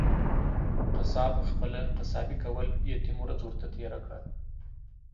قصاب خپله قصابي کول ، يتيم ورځ ورته تيره کړه.